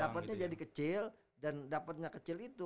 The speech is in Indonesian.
dapatnya jadi kecil dan dapatnya kecil itu